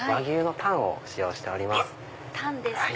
タンですか。